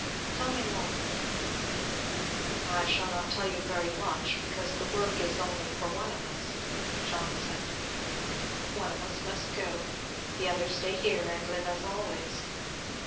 Tell me more." "I shall not tell you very much, because the work is only for one of us," John said. "One of us must go, the other stay here and live as always.